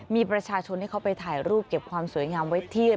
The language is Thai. มีประชาชนที่เขาไปถ่ายรูปเก็บความสวยงามไว้เทียบ